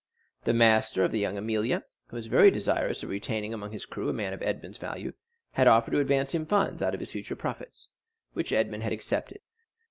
The master of La Jeune Amélie, who was very desirous of retaining amongst his crew a man of Edmond's value, had offered to advance him funds out of his future profits, which Edmond had accepted.